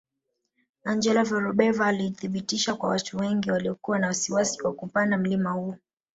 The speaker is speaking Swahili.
Angela Vorobeva alithibitisha kwa watu wengi waliokuwa na wasiwasi wa kupanda mlima huu